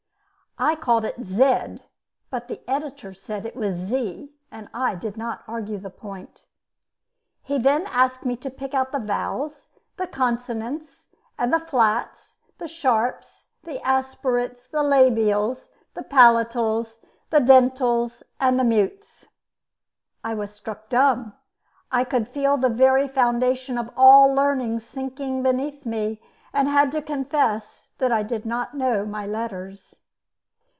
I called it "zed," but the editor said it was "zee," and I did not argue the point. He then asked me to pick out the vowels, the consonants, the flats, the sharps, the aspirates, the labials, the palatals, the dentals, and the mutes. I was struck dumb; I could feel the very foundation of all learning sinking beneath me, and had to confess that I did not know my letters.